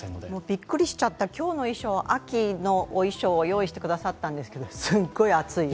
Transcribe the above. びっくりしちゃった、今日、秋のお衣装を用意してくださったんですけどすっごい暑い。